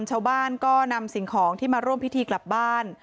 ชาวบ้านก็นำสิ่งของที่มาร่วมพิธีกลับบ้าน